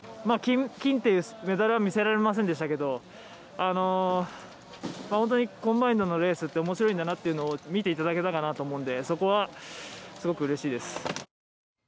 金というメダルは見せられませんでしたけど本当にコンバインドのレースっておもしろいんだなっていうのを見ていただけたのかなと思うんでそこは、すごくうれしいです。